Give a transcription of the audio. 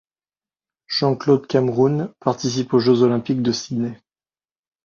Jean-Claude Cameroun participe aux Jeux olympiques de Sydney.